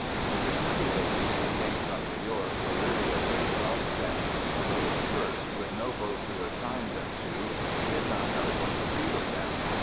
The twenty ladies who came from New York were really a great godsend, although at first, with no boat to assign them to, we did not know what to do with them.